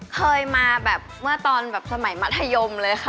เคยมาแบบเมื่อตอนแบบสมัยมัธยมเลยค่ะ